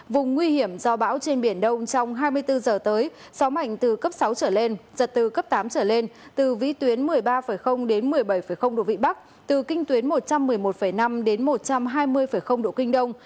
vùng nguy hiểm do bão trên biển đông trong hai mươi bốn h tới gió mạnh từ cấp sáu trở lên giật từ cấp tám trở lên từ vĩ tuyến một mươi ba đến một mươi bảy độ vĩ bắc từ kinh tuyến một trăm một mươi một năm đến một trăm hai mươi độ kinh đông